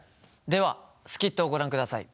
ではスキットをご覧ください。